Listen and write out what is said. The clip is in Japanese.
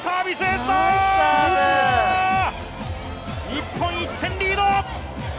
日本、１点リード。